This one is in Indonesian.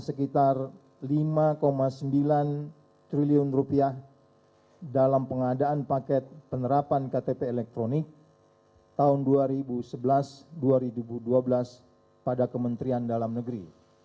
sekitar rp lima sembilan triliun rupiah dalam pengadaan paket penerapan ktp elektronik tahun dua ribu sebelas dua ribu dua belas pada kementerian dalam negeri